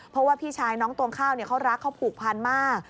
เพราะว่าพี่ชายน้องตวงข้าวเขารักเขาผูกพันมาก